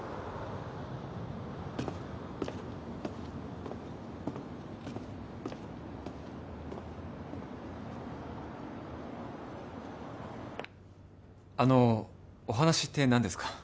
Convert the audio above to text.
あのお話って何ですか？